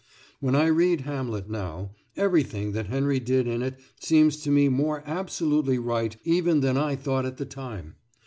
When I read "Hamlet" now, everything that Henry did in it seems to me more absolutely right even than I thought at the time.